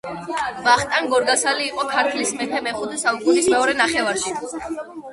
ვახტანგ გორგასალი იყო ქართლის მეფე მეხუთე საუკუნის მეორე ნახევარში